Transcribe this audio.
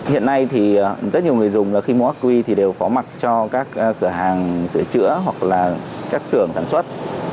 hiện nay thì rất nhiều người dùng khi mua ác quy thì đều có mặt cho các cửa hàng sửa chữa hoặc là các sưởng sản xuất